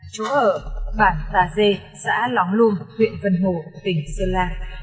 chú ở bản tà dê xã lóng luông huyện vân hồ tỉnh sơn la